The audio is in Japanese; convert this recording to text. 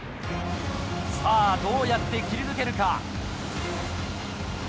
さぁどうやって切り抜けるか？